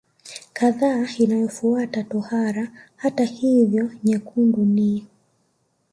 kadhaa inayofuata tohara Hata hivyo nyekundu ni